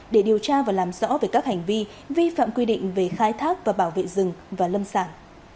để điều tra và làm rõ về các hành vi vi phạm quy định về khai thác và bảo vệ rừng và lâm sản